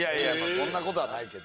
そんな事はないけど。